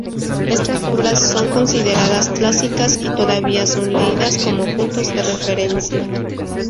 Estas obras son consideradas clásicas y todavía son leídas como puntos de referencia.